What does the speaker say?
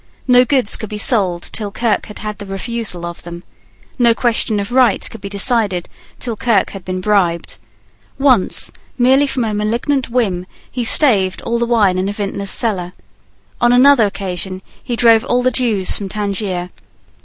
No goods could be sold till Kirke had had the refusal of them. No question of right could be decided till Kirke had been bribed. Once, merely from a malignant whim, he staved all the wine in a vintner's cellar. On another occasion he drove all the Jews from Tangier.